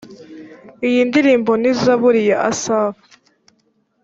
iyi ndirimbo ni zaburi ya asafu